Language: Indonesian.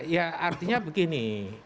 ya artinya begini